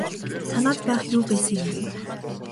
Санаад байх юу байсан юм бэ.